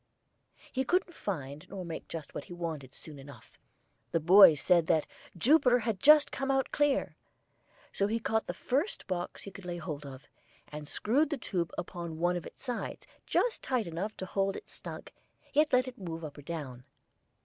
He couldn't find nor make just what he wanted soon enough the boys said that "Jupiter had just come out clear" and so he caught the first box he could lay hold of, and screwed the tube upon one of its sides, just tight enough to hold it snug, yet let it move up or down.